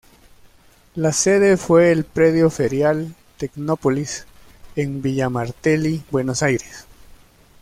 La sede fue el Predio Ferial Tecnópolis, en Villa Martelli, Buenos Aires.